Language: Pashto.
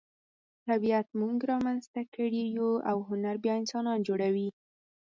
طبیعت موږ را منځته کړي یو او هنر بیا انسانان جوړوي.